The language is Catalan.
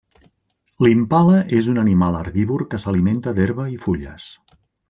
L'impala és un animal herbívor que s'alimenta d'herba i fulles.